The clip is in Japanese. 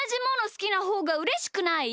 すきなほうがうれしくない？